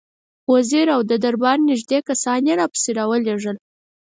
وزیران او د دربار نېږدې کسان یې راپسې را ولېږل.